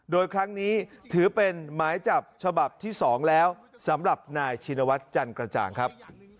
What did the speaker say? โดยครั้งนี้ถือเป็นหมายจับฉบับที่๒แล้วสำหรับนายชินวัฒน์จันกระจ่างครับ